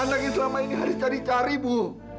anak yang selama ini haris cari cari ibu